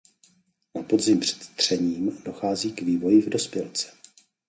Na podzim před třením dochází k vývoji v dospělce.